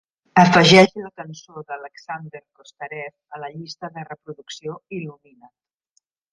Afegeix la cançó d'alexander kostarev a la llista de reproducció il·lumina't.